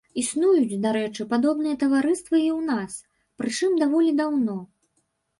Існуюць, дарэчы, падобныя таварыствы і ў нас, прычым даволі даўно.